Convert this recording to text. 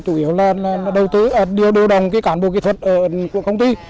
chủ yếu là đầu tư điều đô đồng cản bộ kỹ thuật của công ty